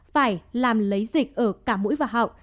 phải làm lấy dịch ở cả mũi và họng